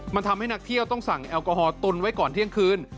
มันทำให้นักเที่ยวต้องสั่งแอลกอฮอลตุนไว้ก่อนเที่ยงคืน